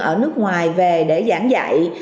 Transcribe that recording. ở nước ngoài về để giảng dạy